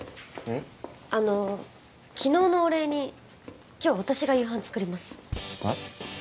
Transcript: あの昨日のお礼に今日私が夕飯作りますえ？